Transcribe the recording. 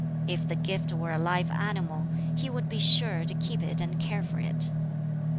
If the gift were a live animal, he would be sure to keep it and care for it.